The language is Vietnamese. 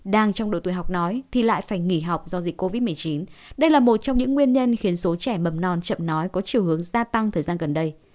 đang trong độ tuổi học nói thì lại phải nghỉ học do dịch covid một mươi chín đây là một trong những nguyên nhân khiến số trẻ mầm non chậm nói có chiều hướng gia tăng thời gian gần đây